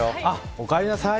おかえりなさい。